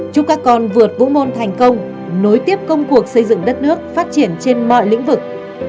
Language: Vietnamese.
chúc các con vượt vũ môn thành công nối tiếp công cuộc xây dựng đất nước phát triển trên mọi lĩnh vực